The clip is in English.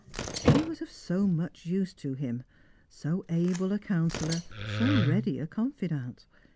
She was of so much use to him — so able a counsellor, so ready a confidante.